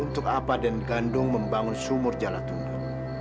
untuk apa dan gando membangun sumur jalatundun